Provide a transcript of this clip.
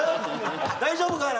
大丈夫かな？